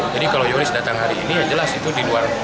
jadi kalau yoris datang hari ini yang jelas itu di luar